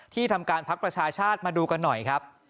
ทำการพักประชาชาติมาดูกันหน่อยครับ